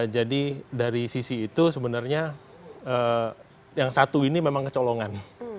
jadi dari sisi itu sebenarnya yang satu ini memang kecolongan